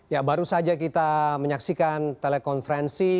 ya baru saja kita menyaksikan telekonferensi